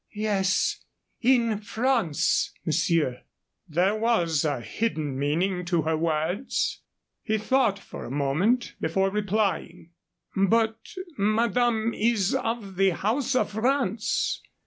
"Yes, in France, monsieur." There was a hidden meaning to her words. He thought a moment before replying. "But madame is of a house of France.